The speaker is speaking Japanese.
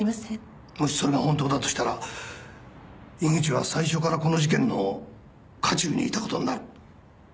もしそれが本当だとしたら井口は最初からこの事件の渦中にいたことになる。